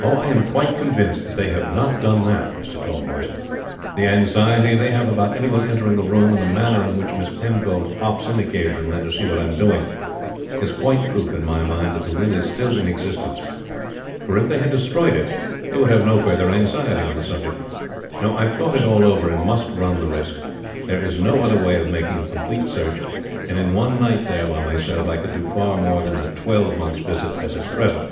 "I am quite convinced they have not done that, Mr. Tallboys. The anxiety they have about any one entering the room, and the manner in which Miss Penfold pops in occasionally to see what I am doing, is quite proof in my mind that the will is still in existence; for if they had destroyed it, they would have no further anxiety on the subject. No, I have thought it all over, and must run the risk. There is no other way of making a complete search; and in one night there by myself I could do far more than in a twelvemonths' visits as at present.